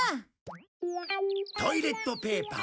トイレットペーパー。